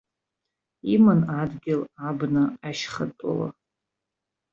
Иман адгьыл, абна, ашьхатәыла.